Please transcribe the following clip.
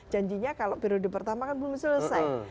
janjinya kalau periode pertama kan belum selesai